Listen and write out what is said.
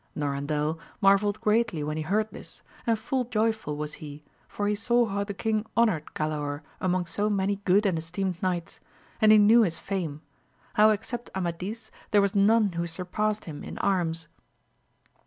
Norandel marvelled greatly when he heard this, and full jojrful was he, for he saw how the king honoured G^aor among so many good and esteemed knights, and he knew his fame, how except Amadis there was none who surpassed him in arms.